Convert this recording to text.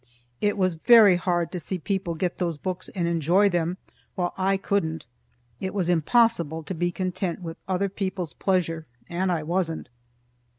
It was very hard to see people get those books and enjoy them while I couldn't. It was impossible to be content with other people's pleasure, and I wasn't.